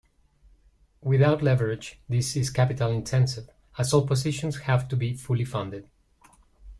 Without leverage this is capital intensive as all positions have to be fully funded.